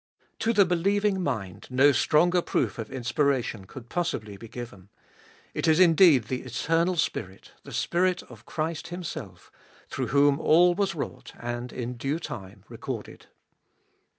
To the believing mind no stronger proof of inspiration could possibly be given. It is indeed the Eternal Spirit, the Spirit of Christ Himself, through whom all was wrought and in due time recorded.